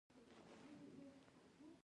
آیا دوی نه غواړي چې سیمه ییز مرکز شي؟